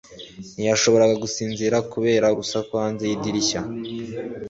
ntiyashoboraga gusinzira kubera urusaku hanze yidirishya